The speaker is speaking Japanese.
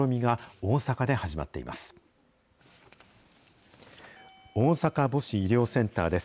大阪母子医療センターです。